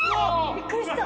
びっくりした！？